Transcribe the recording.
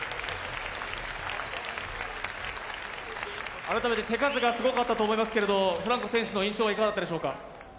改めて手数がすごかったと思いますけれどもフランコ選手の印象はいかがでしょうか？